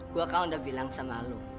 gue kan udah bilang sama lo